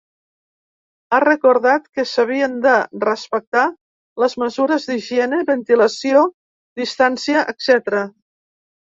Ha recordat que s’havien de respectar les mesures d’higiene, ventilació, distància, etcètera.